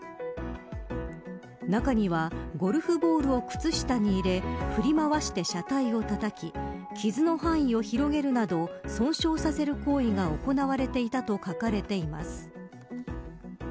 中には、ゴルフボールを靴下に入れ振り回して車体をたたき傷の範囲を広げるなど損傷させる行為が行われていたと書かれています。